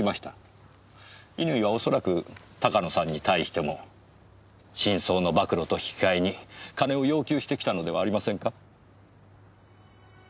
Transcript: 乾は恐らく鷹野さんに対しても真相の暴露と引きかえに金を要求してきたのではありませんか？